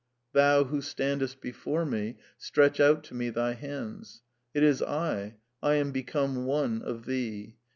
" Thou, who standest before me, stretch out to me thy hands ; it is I, I am become one of thee.